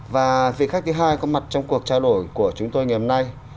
và vị khách thứ hai có mặt trong cuộc trao đổi của chúng tôi ngày hôm nay